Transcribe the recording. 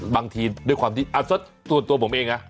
บางทีด้วยความที่ส่วนตัวผมเองนะ